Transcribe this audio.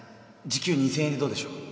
時給 ２，０００ 円でどうでしょう？